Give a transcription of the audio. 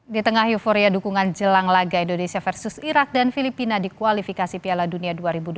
di tengah euforia dukungan jelang laga indonesia versus irak dan filipina di kualifikasi piala dunia dua ribu dua puluh